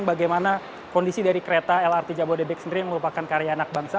bagaimana kondisi dari kereta lrt jabodebek sendiri yang merupakan karya anak bangsa